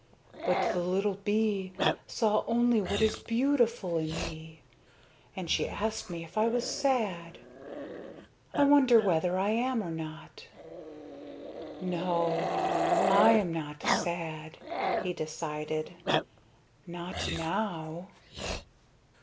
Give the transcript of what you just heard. But the little bee saw only what is beautiful in me. And she asked me if I was sad. I wonder whether I am or not. No, I am not sad," he decided, "not now."